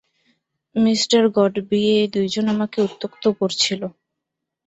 Mr Godby এই দুইজন আমাকে উত্যক্ত করছিল।